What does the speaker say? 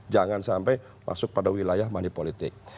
jangan sampai masuk pada wilayah manipolitik